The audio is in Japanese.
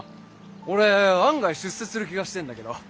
俺案外出世する気がしてんだけど。